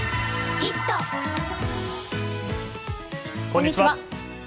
こんにちは。